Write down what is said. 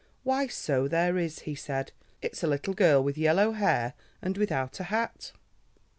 "Why, so there is," he said. "It's a little girl with yellow hair and without a hat."